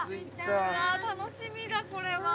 楽しみだこれは。